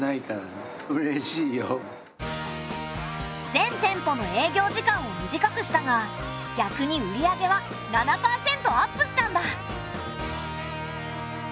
全店舗の営業時間を短くしたが逆に売り上げは７％アップしたんだ！